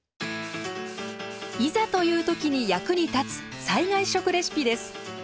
いざという時に役に立つ災害食レシピです。